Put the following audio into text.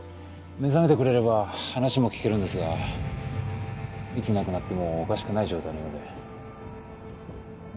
目覚めてくれれば話も聞けるんですがいつ亡くなってもおかしくない状態のようで。